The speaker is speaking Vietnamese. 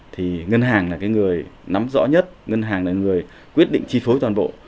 thì ngân hàng là cái người nắm rõ nhất ngân hàng là người quyết định chi phối toàn bộ